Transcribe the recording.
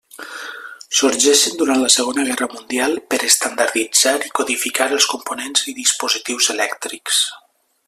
Sorgeixen durant la segona guerra mundial per estandarditzar i codificar els components i dispositius elèctrics.